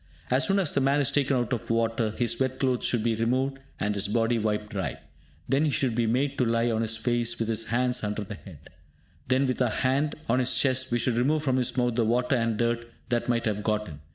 As soon as the man is taken out of water, his wet clothes should be removed, and his body wiped dry. Then he should be made to lie on his face, with his hands under the head. Then, with our hand on his chest, we should remove from his mouth the water and dirt that might have got in.